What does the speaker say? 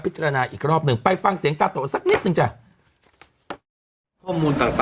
พิจารณาอีกรอบนึงไปฟังเสียงกาโตสักนิดนึงจ่ะข้อมูลต่าง